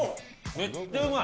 めっちゃうまい。